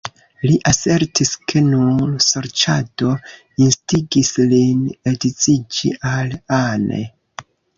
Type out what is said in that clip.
Li asertis ke nur sorĉado instigis lin edziĝi al Anne.